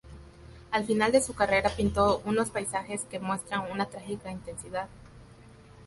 Al final de su carrera pintó unos paisajes, que muestran una trágica intensidad.